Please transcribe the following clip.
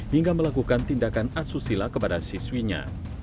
hingga melakukan tindakan asusila kepada siswinya